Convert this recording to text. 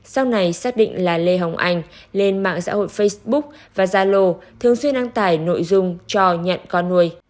sau này xác định là lê hồng anh lên mạng xã hội facebook và zalo thường xuyên đăng tải nội dung cho nhận con nuôi